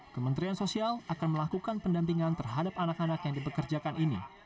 kementerian sosial akan melakukan pendampingan terhadap anak anak yang dipekerjakan ini